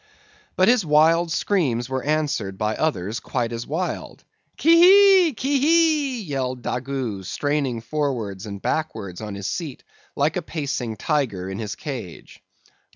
But his wild screams were answered by others quite as wild. "Kee hee! Kee hee!" yelled Daggoo, straining forwards and backwards on his seat, like a pacing tiger in his cage.